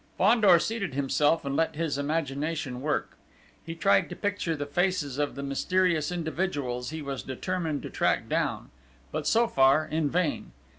Fandor seated himself and let his imagination work. He tried to picture the faces of the mysterious individuals he was determined to track down but, so far, in vain!...